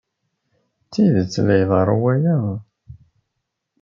D tidet ay la iḍerru waya?